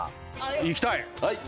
いきたい！